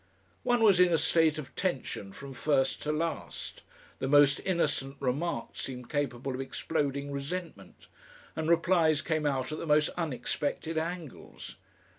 One was in a state of tension from first to last; the most innocent remark seemed capable of exploding resentment, and replies came out at the most unexpected angles.